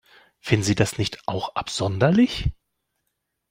Finden Sie das nicht auch absonderlich?